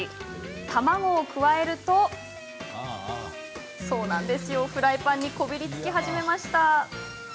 卵を加えるとフライパンにこびりつき始めました。